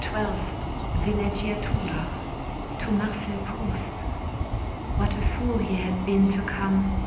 XII VILLEGIATURA [To MARCEL PROUST] What a fool he had been to come.